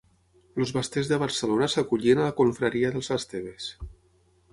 Els basters de Barcelona s'acollien a la confraria dels esteves.